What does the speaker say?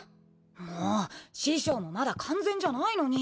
もう師匠もまだ完全じゃないのに。